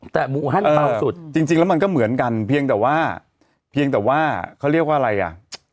แต่หมู่ฮั่นเบาสุดจริงแล้วมันก็เหมือนกันเพียงแต่ว่าเพียงแต่ว่าเขาเรียกว่าอะไรอ่ะ